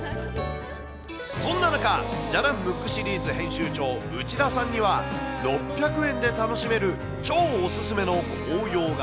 そんな中、じゃらんムックシリーズ編集長、内田さんには、６００円で楽しめる超お勧めの紅葉が。